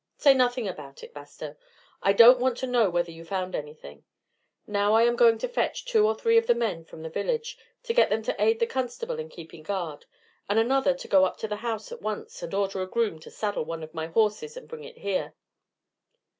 "Say nothing about it, Bastow; I don't want to know whether you found anything. Now I am going to fetch two or three of the men from the village, to get them to aid the constable in keeping guard, and another to go up to the house at once and order a groom to saddle one of my horses and bring it here."